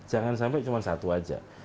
jangan sampai hanya satu saja